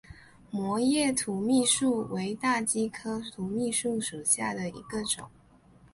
膜叶土蜜树为大戟科土蜜树属下的一个种。